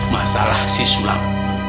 masalah si sulam